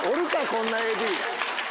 こんなＡＤ。